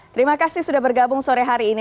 terima kasih sudah bergabung sore hari ini